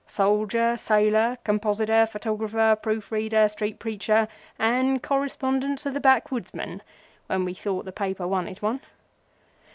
Soldier, sailor, compositor, photographer, proof reader, street preacher, and correspondents of the Backwoodsman when we thought the paper wanted one.